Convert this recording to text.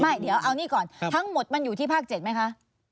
เดี๋ยวเอานี่ก่อนทั้งหมดมันอยู่ที่ภาค๗ไหมคะ